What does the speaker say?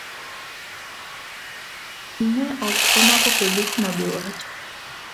Ne ok omak polisno gi wach